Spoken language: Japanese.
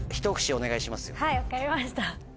はい分かりました。